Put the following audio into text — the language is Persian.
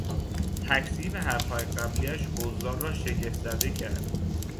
تکذیب حرف های قبلیاش حضار را شگفت زده کرد.